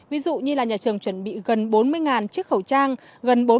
ví dụ như là nhà trường chuẩn bị gần bốn mươi chiếc khẩu trang